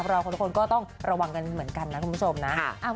เราคนทุกคนก็ต้องระวังกันเหมือนกันนะคุณผู้ชมนะ